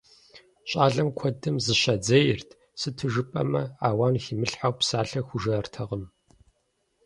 ЩӀалэм куэдым зыщадзейрт, сыту жыпӀэмэ ауан химылъхьэу псалъэ хужыӀэртэкъым.